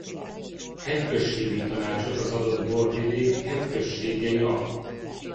Hegyközségi tanácsot az adott borvidék hegyközségei alkotnak.